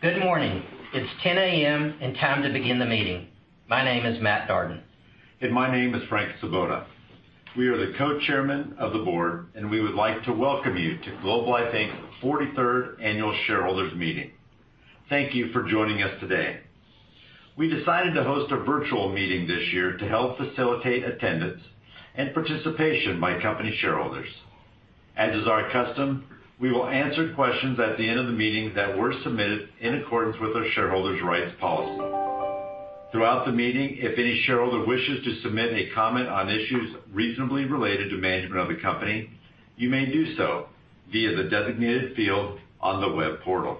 Good morning. It's 10:00 A.M. and time to begin the meeting. My name is Matt Darden. My name is Frank Svoboda. We are the co-chairmen of the board, and we would like to welcome you to Globe Life Inc.'s 43rd Annual Shareholders' Meeting. Thank you for joining us today. We decided to host a virtual meeting this year to help facilitate attendance and participation by company shareholders. As is our custom, we will answer questions at the end of the meeting that were submitted in accordance with our shareholders' rights policy. Throughout the meeting, if any shareholder wishes to submit a comment on issues reasonably related to management of the company, you may do so via the designated field on the web portal.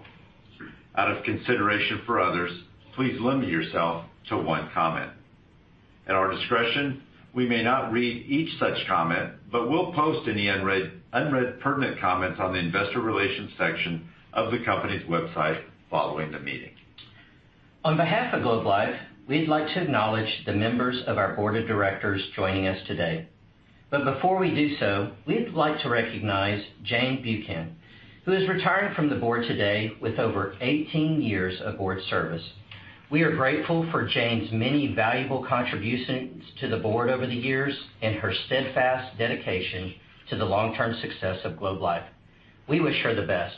Out of consideration for others, please limit yourself to one comment. At our discretion, we may not read each such comment, but we'll post any unread pertinent comments on the investor relations section of the company's website following the meeting. On behalf of Globe Life, we'd like to acknowledge the members of our board of directors joining us today. Before we do so, we'd like to recognize Jane Buchan, who is retiring from the board today with over 18 years of board service. We are grateful for Jane's many valuable contributions to the board over the years and her steadfast dedication to the long-term success of Globe Life. We wish her the best.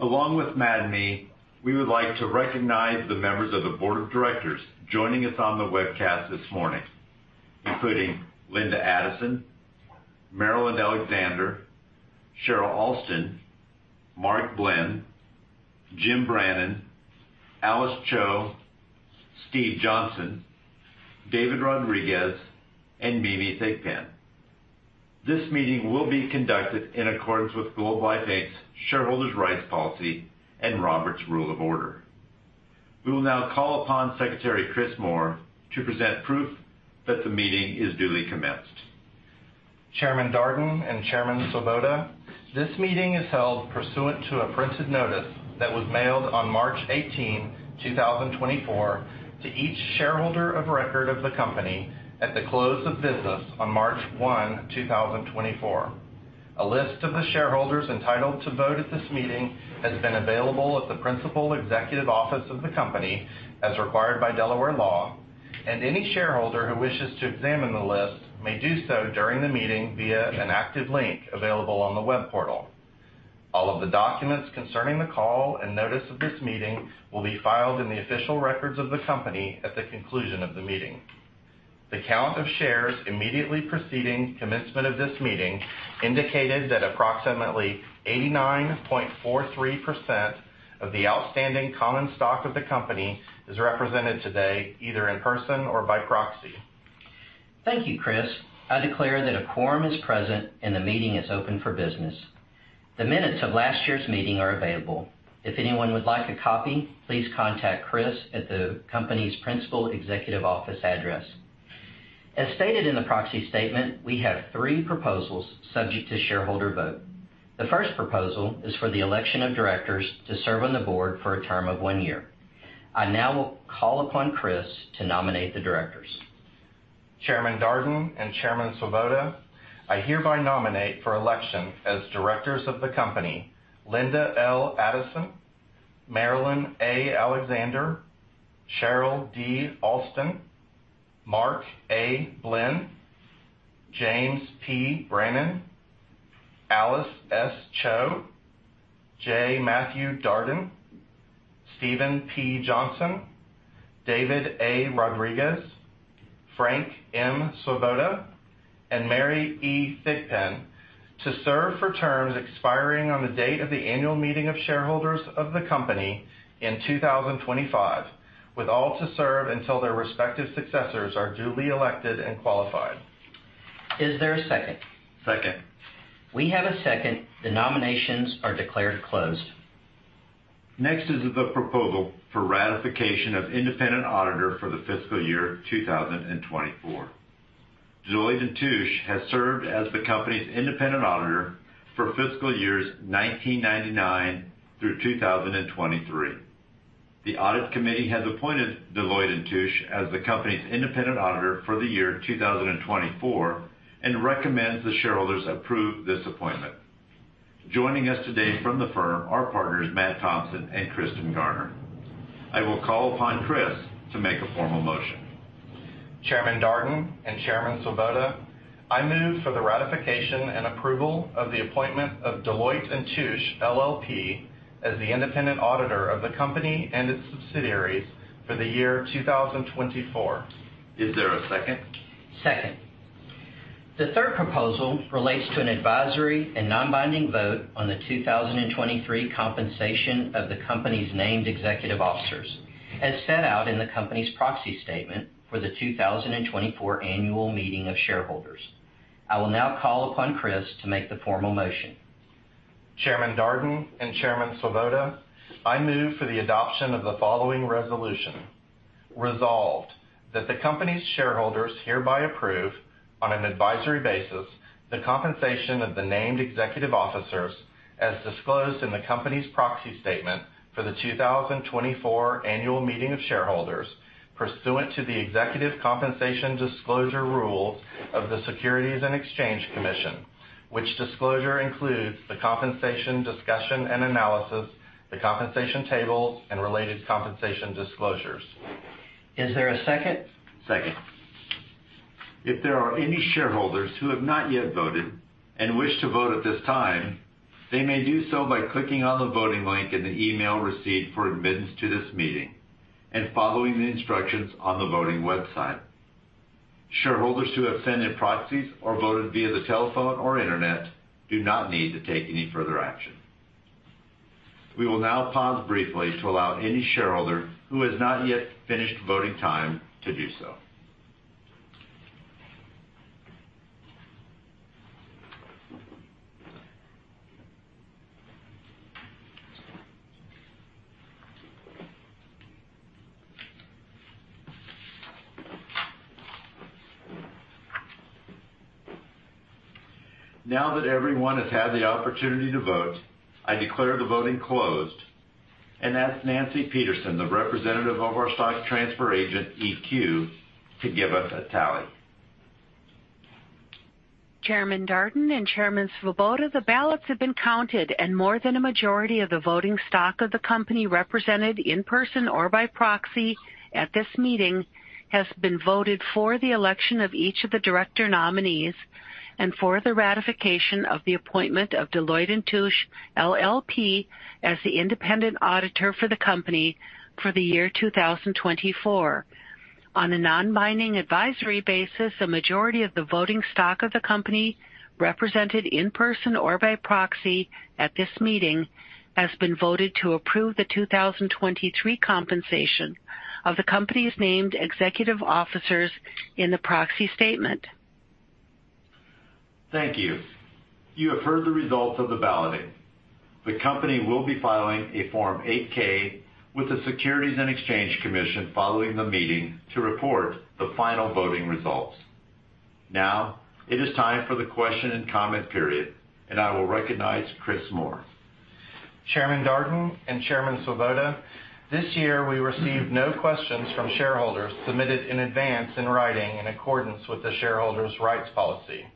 Along with Matt and me, we would like to recognize the members of the board of directors joining us on the webcast this morning, including Linda Addison, Marilyn Alexander, Cheryl Alston, Mark Blinn, Jim Brannen, Alice Cho, Steve Johnson, David Rodriguez, and Mimi Thigpen. This meeting will be conducted in accordance with Globe Life Inc.'s shareholders' rights policy and Robert's Rules of Order. We will now call upon Secretary Chris Moore to present proof that the meeting is duly commenced. Chairman Darden and Chairman Svoboda, this meeting is held pursuant to a printed notice that was mailed on March 18, 2024, to each shareholder of record of the company at the close of business on March 1, 2024. A list of the shareholders entitled to vote at this meeting has been available at the principal executive office of the company as required by Delaware law. Any shareholder who wishes to examine the list may do so during the meeting via an active link available on the web portal. All of the documents concerning the call and notice of this meeting will be filed in the official records of the company at the conclusion of the meeting. The count of shares immediately preceding commencement of this meeting indicated that approximately 89.43% of the outstanding common stock of the company is represented today, either in person or by proxy. Thank you, Chris. I declare that a quorum is present. The meeting is open for business. The minutes of last year's meeting are available. If anyone would like a copy, please contact Chris at the company's principal executive office address. As stated in the proxy statement, we have three proposals subject to shareholder vote. The first proposal is for the election of directors to serve on the board for a term of one year. I now will call upon Chris to nominate the directors. Chairman Darden and Chairman Svoboda, I hereby nominate for election as directors of the company, Linda L. Addison, Marilyn A. Alexander, Cheryl D. Alston, Mark A. Blinn, James P. Brannen, Alice S. Cho, J. Matthew Darden, Steven P. Johnson, David A. Rodriguez, Frank M. Svoboda, and Mary E. Thigpen to serve for terms expiring on the date of the annual meeting of shareholders of the company in 2025, with all to serve until their respective successors are duly elected and qualified. Is there a second? Second. We have a second. The nominations are declared closed. Next is the proposal for ratification of independent auditor for the fiscal year 2024. Deloitte & Touche has served as the company's independent auditor for fiscal years 1999 through 2023. The audit committee has appointed Deloitte & Touche as the company's independent auditor for the year 2024 and recommends the shareholders approve this appointment. Joining us today from the firm are partners Matt Thompson and Kristin Garner. I will call upon Chris to make a formal motion. Chairman Darden and Chairman Svoboda, I move for the ratification and approval of the appointment of Deloitte & Touche LLP as the independent auditor of the company and its subsidiaries for the year 2024. Is there a second? Second. The third proposal relates to an advisory and non-binding vote on the 2023 compensation of the company's named executive officers, as set out in the company's proxy statement for the 2024 annual meeting of shareholders. I will now call upon Chris to make the formal motion. Chairman Darden and Chairman Svoboda, I move for the adoption of the following resolution. Resolved that the company's shareholders hereby approve, on an advisory basis, the compensation of the named executive officers as disclosed in the company's proxy statement for the 2024 annual meeting of shareholders pursuant to the Executive Compensation Disclosure Rule of the Securities and Exchange Commission, which disclosure includes the compensation discussion and analysis, the compensation tables, and related compensation disclosures Is there a second? Second. If there are any shareholders who have not yet voted and wish to vote at this time, they may do so by clicking on the voting link in the email receipt for admittance to this meeting and following the instructions on the voting website. Shareholders who have sent in proxies or voted via the telephone or internet do not need to take any further action. We will now pause briefly to allow any shareholder who has not yet finished voting time to do so. Now that everyone has had the opportunity to vote, I declare the voting closed and ask Nancy Peterson, the representative of our stock transfer agent, EQ, to give us a tally. Chairman Darden and Chairman Svoboda, the ballots have been counted, and more than a majority of the voting stock of the company represented in person or by proxy at this meeting has been voted for the election of each of the director nominees and for the ratification of the appointment of Deloitte & Touche LLP, as the independent auditor for the company for the year 2024. On a non-binding advisory basis, a majority of the voting stock of the company represented in person or by proxy at this meeting has been voted to approve the 2023 compensation of the company's named executive officers in the proxy statement. Thank you. You have heard the results of the balloting. The company will be filing a Form 8-K with the Securities and Exchange Commission following the meeting to report the final voting results. Now it is time for the question and comment period, and I will recognize Chris Moore. Chairman Darden and Chairman Svoboda, this year we received no questions from shareholders submitted in advance in writing in accordance with the shareholders' rights policy.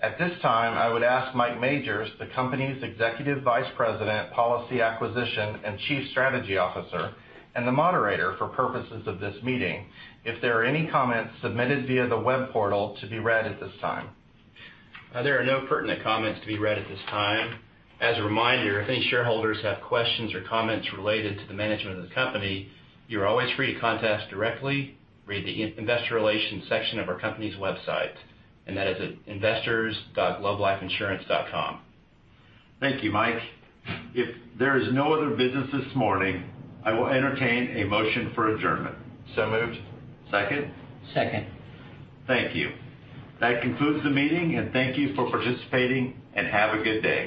At this time, I would ask Mike Majors, the company's Executive Vice President, Policy Acquisition, and Chief Strategy Officer, and the moderator for purposes of this meeting, if there are any comments submitted via the web portal to be read at this time. There are no pertinent comments to be read at this time. As a reminder, if any shareholders have questions or comments related to the management of the company, you're always free to contact us directly, read the investor relations section of our company's website, and that is at investors.globelifeinsurance.com. Thank you, Mike. If there is no other business this morning, I will entertain a motion for adjournment. Moved. Second? Second. Thank you. That concludes the meeting, and thank you for participating, and have a good day.